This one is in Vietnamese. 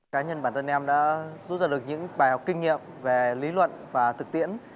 cá nhân bản thân em đã rút ra được những bài học kinh nghiệm về lý luận và thực tiễn